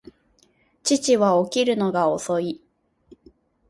父は起きるのが遅い